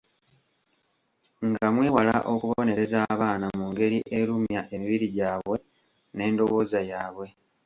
Nga mwewala okubonereza abaana mu ngeri erumya emibiri gyabwe n'endowooza yabwe.